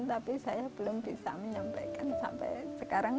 tapi saya belum bisa menyampaikan sampai sekarang